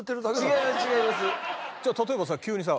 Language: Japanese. じゃあ例えばさ急にさ